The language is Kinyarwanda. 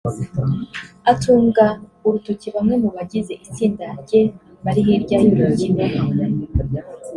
atunga urutoki bamwe mu bagize itsinda rye bari hirya y’urubyiniro